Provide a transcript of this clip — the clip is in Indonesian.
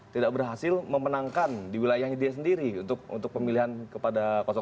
tidak berhasil memenangkan di wilayahnya dia sendiri untuk pemilihan kepada dua